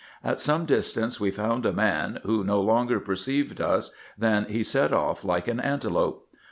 At some distance we saw a man, who no sooner perceived us than he set off like an antelope.